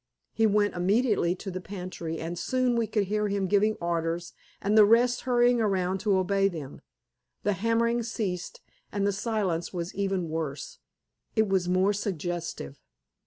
He went immediately to the pantry, and soon we could hear him giving orders and the rest hurrying around to obey them. The hammering ceased, and the silence was even worse. It was more suggestive.